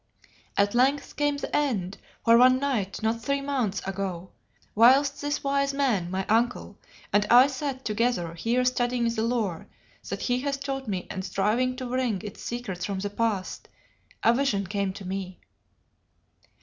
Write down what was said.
At length came the end, for one night not three moons ago, whilst this wise man, my uncle, and I sat together here studying the lore that he has taught me and striving to wring its secrets from the past, a vision came to me.